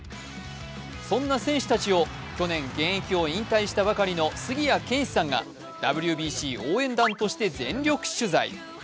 そんな選手たちを去年、現役を引退したばかりの杉谷拳士さんがＷＢＣ応援団として全力取材。